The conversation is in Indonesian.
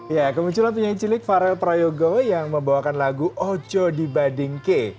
ya kemunculan penyanyi cilik farel prayogo yang membawakan lagu ojo di badingke